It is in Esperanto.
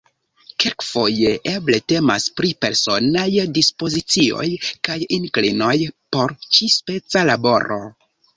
Kelkfoje eble temas pri personaj dispozicioj kaj inklinoj por ĉi-speca laboro?